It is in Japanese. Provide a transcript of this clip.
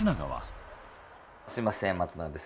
はいすいません